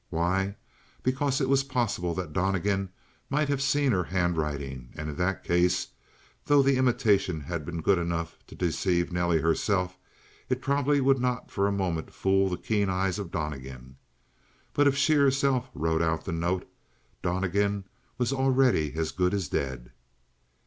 Why? Because it was possible that Donnegan might have seen her handwriting and in that case, though the imitation had been good enough to deceive Nelly herself, it probably would not for a moment fool the keen eyes of Donnegan. But if she herself wrote out the note, Donnegan was already as good as dead.